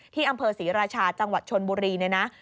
ที่อำเภอศรีราชาจังหวัดชนบุรีเนี่ยนะ